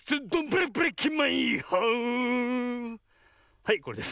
はいこれです。